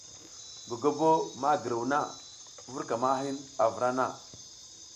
Gogobo ma giruw na, vur ka ma hin a vra na.